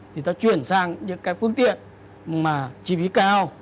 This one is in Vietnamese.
thì ta chuyển sang những cái phương tiện mà chi phí cao